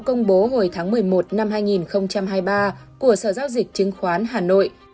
công bố hồi tháng một mươi một năm hai nghìn hai mươi ba của sở giao dịch chứng khoán hà nội